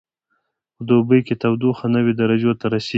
په دوبي کې تودوخه نوي درجو ته رسیږي